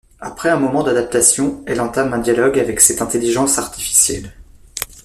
Après un moment d'adaptation, elle entame un dialogue avec cette intelligence artificielle.